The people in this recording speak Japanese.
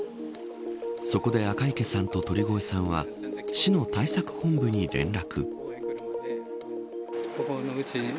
そこで、赤池さんと鳥越さんは市の対策本部に連絡。